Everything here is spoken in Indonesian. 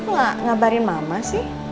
kok gak ngabarin mama sih